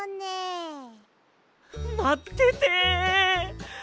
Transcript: まってて。